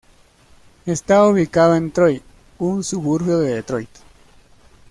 Está ubicado en Troy, un suburbio de Detroit.